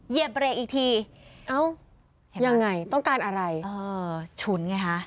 เหยียบเบรกอีกทีเอ้ายังไงต้องการอะไรเออฉุนไงฮะ